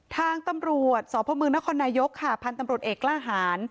ทางตำรวจสพมนครนายกค่ะพันธุ์ตำรวจเอกกล้าหาร